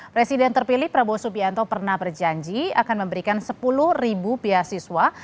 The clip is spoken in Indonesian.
presiden terpilih prabowo subianto pernah berjanji akan memberikan sepuluh beasiswa